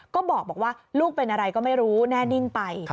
ก็บอกว่าลูกเป็นอะไรก็ไม่รู้แน่นิ่งไป